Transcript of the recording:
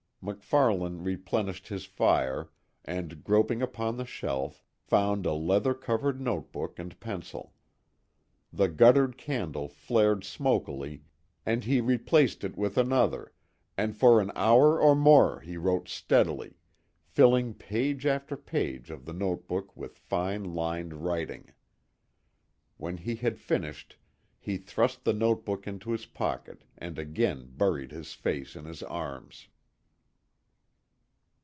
MacFarlane replenished his fire, and groping upon the shelf, found a leather covered note book and pencil. The guttered candle flared smokily and he replaced it with another, and for an hour or more he wrote steadily, filling page after page of the note book with fine lined writing. When he had finished he thrust the note book into his pocket and again buried his face in his arms.